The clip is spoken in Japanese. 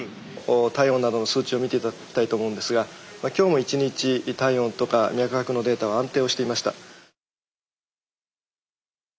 体温などの数値を見て頂きたいと思うんですが今日も一日体温とか脈拍のデータは安定をしていました。